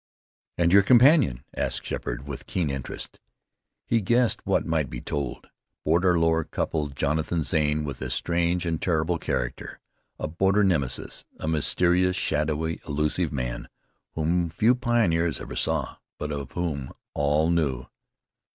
"And your companion?" asked Sheppard with keen interest. He guessed what might be told. Border lore coupled Jonathan Zane with a strange and terrible character, a border Nemesis, a mysterious, shadowy, elusive man, whom few pioneers ever saw, but of whom all knew.